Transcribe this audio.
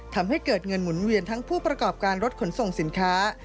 ทำให้เกิดเงินหมุนเวียนทั้งผู้ประกอบการรถขนส่งสินค้า